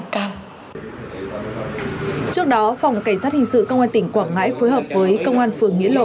trước đó phòng cảnh sát hình sự công an tỉnh quảng ngãi phối hợp với công an phường nghĩa lộ